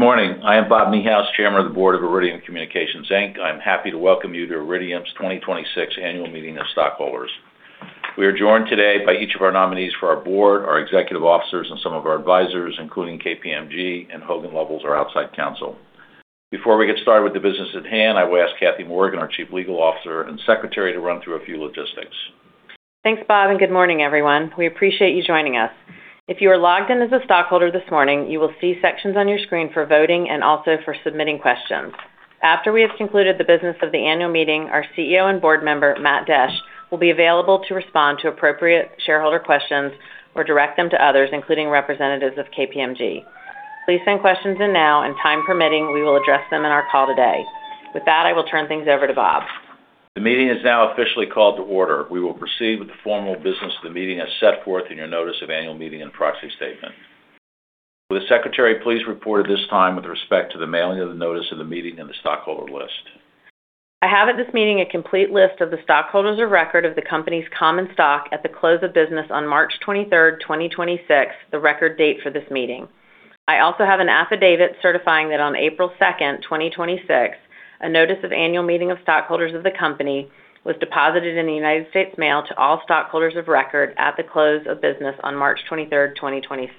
Good morning. I am Bob Niehaus, Chairman of the Board of Iridium Communications Inc. I'm happy to welcome you to Iridium's 2026 annual meeting of stockholders. We are joined today by each of our nominees for our board, our executive officers, and some of our advisors, including KPMG and Hogan Lovells, our outside counsel. Before we get started with the business at hand, I will ask Kathy Morgan, our Chief Legal Officer and Secretary, to run through a few logistics. Thanks, Bob, and good morning, everyone. We appreciate you joining us. If you are logged in as a stockholder this morning, you will see sections on your screen for voting and also for submitting questions. After we have concluded the business of the annual meeting, our CEO and board member, Matt Desch, will be available to respond to appropriate shareholder questions or direct them to others, including representatives of KPMG. Please send questions in now, and time permitting, we will address them in our call today. With that, I will turn things over to Bob. The meeting is now officially called to order. We will proceed with the formal business of the meeting as set forth in your notice of annual meeting and proxy statement. Will the secretary please report at this time with respect to the mailing of the notice of the meeting and the stockholder list? I have at this meeting a complete list of the stockholders of record of the company's common stock at the close of business on March 23rd, 2026, the record date for this meeting. I also have an affidavit certifying that on April 2nd, 2026, a notice of annual meeting of stockholders of the company was deposited in the United States mail to all stockholders of record at the close of business on March 23rd, 2026.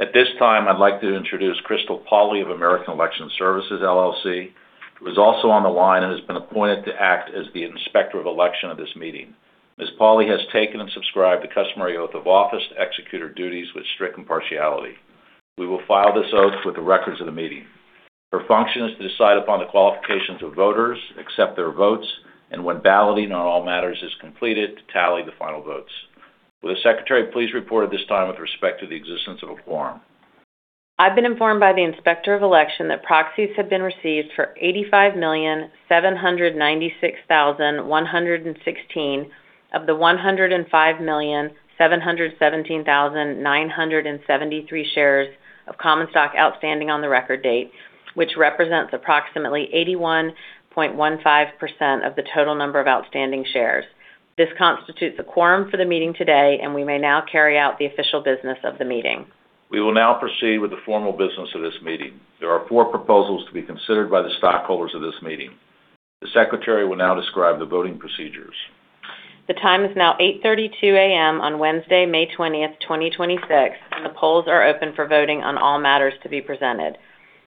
At this time, I'd like to introduce Crystal Pawley of American Election Services, LLC, who is also on the line and has been appointed to act as the inspector of election of this meeting. Ms. Pawley has taken and subscribed the customary oath of office to execute her duties with strict impartiality. We will file this oath with the records of the meeting. Her function is to decide upon the qualifications of voters, accept their votes, and when balloting on all matters is completed, to tally the final votes. Will the secretary please report at this time with respect to the existence of a quorum? I've been informed by the inspector of election that proxies have been received for 85,796,116 of the 105,717,973 shares of common stock outstanding on the record date, which represents approximately 81.15% of the total number of outstanding shares. This constitutes a quorum for the meeting today, and we may now carry out the official business of the meeting. We will now proceed with the formal business of this meeting. There are four proposals to be considered by the stockholders of this meeting. The secretary will now describe the voting procedures. The time is now 8:32 A.M. on Wednesday, May 20th, 2026, and the polls are open for voting on all matters to be presented.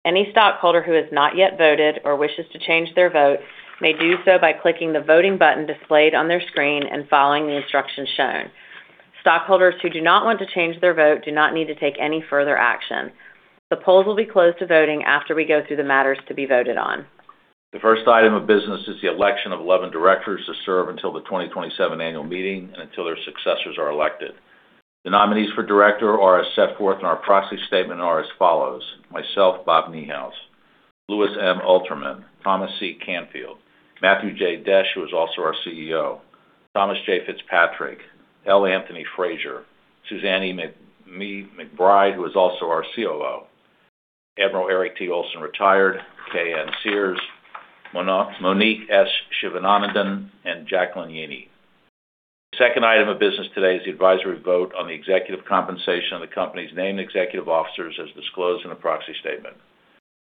Any stockholder who has not yet voted or wishes to change their vote may do so by clicking the voting button displayed on their screen and following the instructions shown. Stockholders who do not want to change their vote do not need to take any further action. The polls will be closed to voting after we go through the matters to be voted on. The first item of business is the election of 11 directors to serve until the 2027 annual meeting and until their successors are elected. The nominees for director are as set forth in our proxy statement and are as follows: Myself, Bob Niehaus, Louis M. Alterman, Thomas C. Canfield, Matthew J. Desch, who is also our CEO, Thomas J. Fitzpatrick, L. Anthony Frazier, Suzanne E. McBride, who is also our COO, Admiral Eric T. Olson, Retired, Kay M. Sears, Monique S. Shivanandan, and Jacqueline E. Yeaney. The second item of business today is the advisory vote on the executive compensation of the company's named executive officers as disclosed in the proxy statement.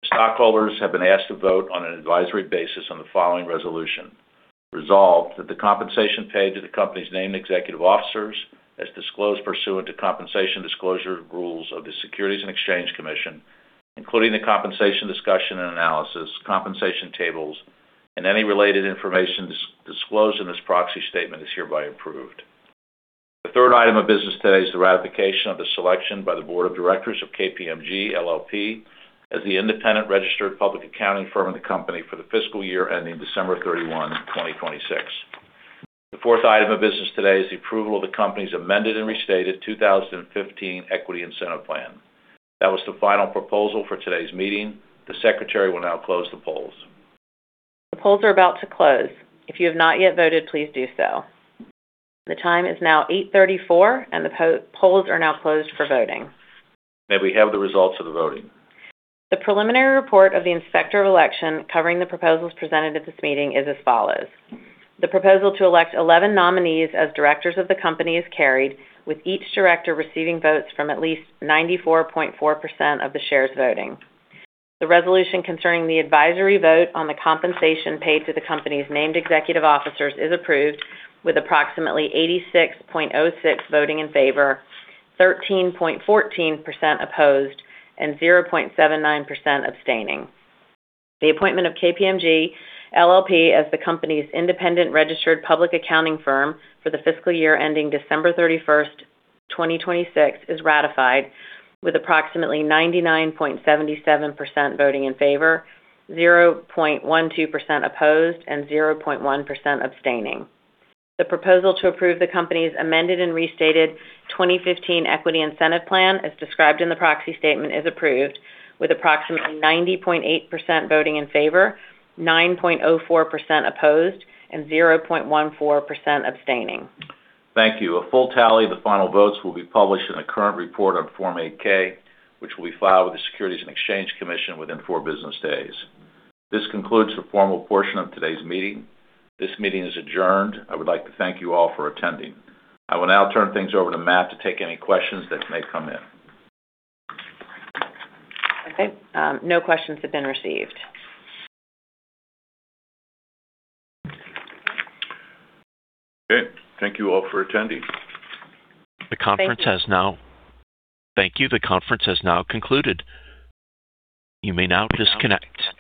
Stockholders have been asked to vote on an advisory basis on the following resolution. Resolved, that the compensation paid to the company's named executive officers as disclosed pursuant to compensation disclosure rules of the Securities and Exchange Commission, including the compensation discussion and analysis, compensation tables, and any related information disclosed in this proxy statement is hereby approved. The third item of business today is the ratification of the selection by the board of directors of KPMG LLP as the independent registered public accounting firm of the company for the fiscal year ending December 31, 2026. The fourth item of business today is the approval of the company's Amended and Restated 2015 Equity Incentive Plan. That was the final proposal for today's meeting. The secretary will now close the polls. The polls are about to close. If you have not yet voted, please do so. The time is now 8:34, and the polls are now closed for voting. May we have the results of the voting? The preliminary report of the inspector of election covering the proposals presented at this meeting is as follows: The proposal to elect 11 nominees as directors of the company is carried, with each director receiving votes from at least 94.4% of the shares voting. The resolution concerning the advisory vote on the compensation paid to the company's named executive officers is approved with approximately 86.06% voting in favor, 13.14% opposed, and 0.79% abstaining. The appointment of KPMG LLP as the company's independent registered public accounting firm for the fiscal year ending December 31st, 2026, is ratified with approximately 99.77% voting in favor, 0.12% opposed, and 0.1% abstaining. The proposal to approve the company's Amended and Restated 2015 Equity Incentive Plan, as described in the proxy statement, is approved with approximately 90.8% voting in favor, 9.04% opposed, and 0.14% abstaining. Thank you. A full tally of the final votes will be published in a current report on Form 8-K, which will be filed with the Securities and Exchange Commission within 4 business days. This concludes the formal portion of today's meeting. This meeting is adjourned. I would like to thank you all for attending. I will now turn things over to Matt to take any questions that may come in. Okay, no questions have been received. Okay. Thank you all for attending. Thank you. Thank you. The conference has now concluded. You may now disconnect.